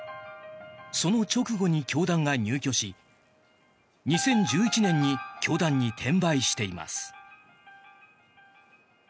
その直後に教団が入居し２０１１年に教団に転売しています。